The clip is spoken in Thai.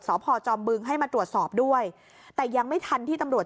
สพจอมบึงให้มาตรวจสอบด้วยแต่ยังไม่ทันที่ตำรวจ